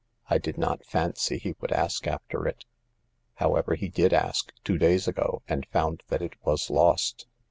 I did not fancy he would ask after it. However, he did ask two days ago, and found that it was lost."